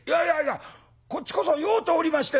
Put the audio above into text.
こっちこそ酔うておりましてな」。